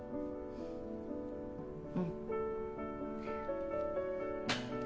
うん。